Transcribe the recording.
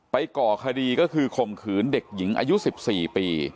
ก่อคดีก็คือข่มขืนเด็กหญิงอายุ๑๔ปี